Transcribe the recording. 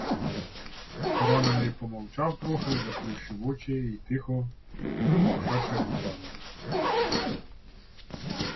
Поранений помовчав трохи, заплющивши очі й тихо ворушачи губами.